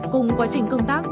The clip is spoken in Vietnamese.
cùng quá trình công tác